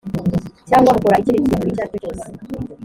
cyangwa mukora ikindi kintu icyo ari cyo cyose